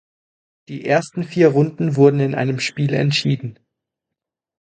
Die ersten vier Runden wurden in einem Spiel entschieden.